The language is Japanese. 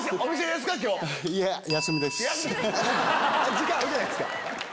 時間あるじゃないですか。